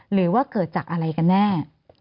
หรือว่าเกิดจากอะไรกันแน่